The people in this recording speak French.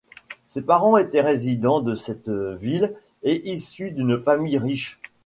Ses parents étaient résidents de cette ville et issus d’une famille riche.